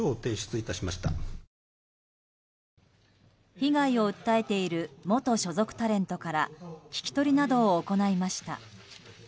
被害を訴えている元所属タレントから聞き取りなどを行いました。